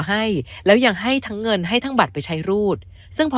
ให้แล้วยังให้ทั้งเงินให้ทั้งบัตรไปใช้รูดซึ่งพอ